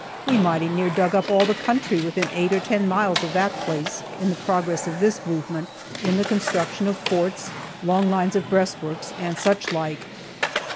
We mighty near dug up all the country within eight or ten miles of that place in the progress of this movement, in the construction of forts, long lines of breast works, and such like.